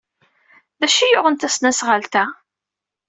D acu i yuɣen tasnasɣalt-a?